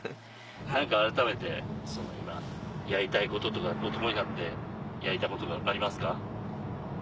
改めて今やりたいこととか男になってやりたいことありますか？